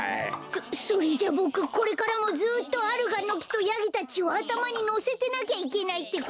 そそれじゃボクこれからもずっとアルガンのきとヤギたちをあたまにのせてなきゃいけないってこと？